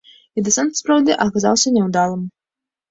І дэсант сапраўды аказаўся няўдалым.